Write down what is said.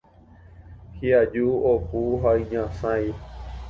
Hi'aju, opu ha iñasãi.